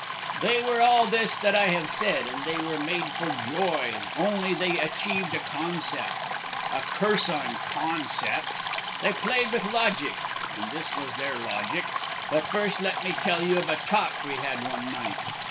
"They were all this that I have said, and they were made for joy, only they achieved a concept. A curse on concepts! They played with logic, and this was their logic. But first let me tell you of a talk we had one night.